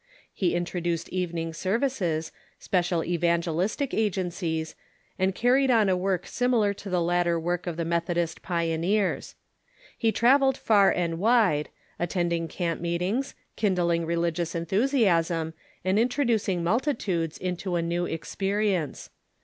He introduced evening services, special evan gelistic agencies, and carried on a work similar to the later work of the Methodist pioneers. He travelled far and wide, attending camp meetings, kindling religious enthusiasm, and introducing multitudes into a new experience.